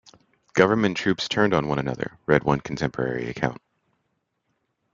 "Government troops turned on one another," read one contemporary account.